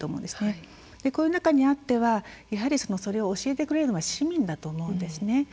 コロナ禍にあってはやはりそれを教えてくれるのは市民だと思うんですね。